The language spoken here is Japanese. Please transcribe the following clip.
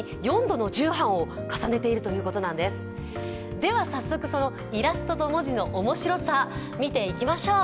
では、早速そのイラストと文字の面白さ、見ていきましょう。